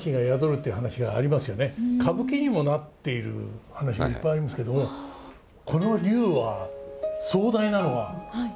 歌舞伎にもなっている話いっぱいありますけどこの龍は壮大なのは相手が琵琶湖ですよ。